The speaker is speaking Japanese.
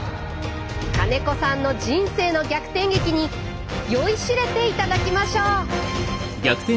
金子さんの人生の逆転劇に酔いしれて頂きましょう！